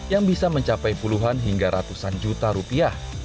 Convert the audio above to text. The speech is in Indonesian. yang bisa mencapai puluhan hingga ratusan juta rupiah